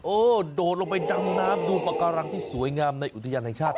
โอ้โหโดนลงไปดำน้ำดูปากรังที่สวยงามในอุทยานในชาติ